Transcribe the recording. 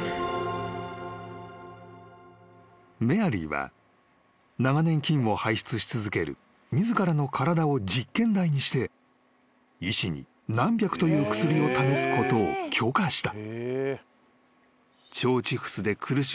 ［メアリーは長年菌を排出し続ける自らの体を実験台にして医師に何百という薬を試すことを許可した］